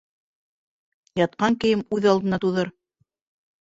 Ятҡан кейем үҙ алдына туҙыр.